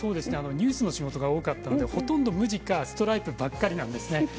ニュースの仕事が多かったのでほとんど無地かストライプばかりなんですね。